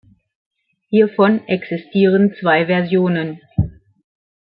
Hiervon existieren zwei Versionen.